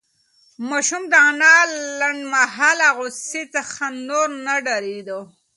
ماشوم د انا له لنډمهاله غوسې څخه نور نه ډارېده.